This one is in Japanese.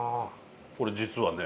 これ実はね